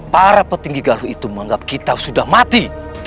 para petinggi garu itu menganggap kita sudah mati